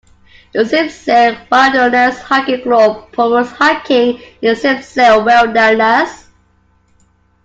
The Sipsey Wilderness Hiking Club promotes hiking in the Sipsey Wilderness.